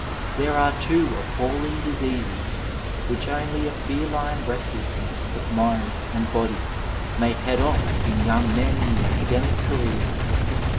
There are two appalling diseases which only a feline restlessness of mind and body may head off in young men in the academic career.